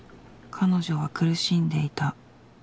彼女は苦しんでいた。